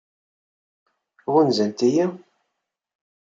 Ɣunzant-iyi?